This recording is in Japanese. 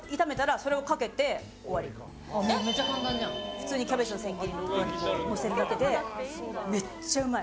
普通にキャベツの千切りにのせるだけでめっちゃうまい。